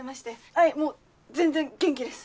はいもう全然元気です。